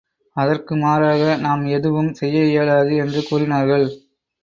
அதற்கு மாறாக நாம் எதுவும் செய்ய இயலாது என்று கூறினார்கள்.